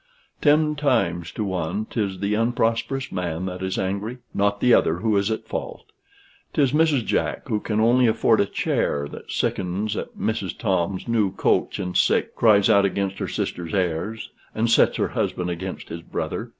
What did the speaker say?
Ten times to one 'tis the unprosperous man that is angry, not the other who is in fault. 'Tis Mrs. Jack, who can only afford a chair, that sickens at Mrs. Tom's new coach and sick, cries out against her sister's airs, and sets her husband against his brother.